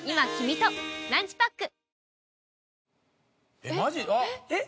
「えっマジ？あっ」